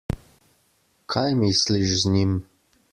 Kaj misliš z njim?